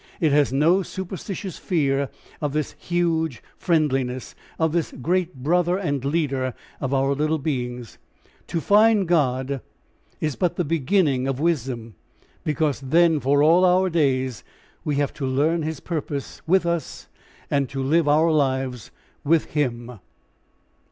It has no superstitious fear of this huge friendliness, of this great brother and leader of our little beings. To find God is but the beginning of wisdom, because then for all our days we have to learn his purpose with us and to live our lives with him.